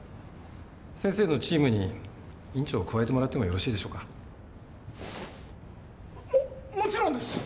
先生のチームに院長を加えてもらってもよろしいでしょうか？ももちろんです！